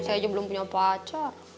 saya aja belum punya pacar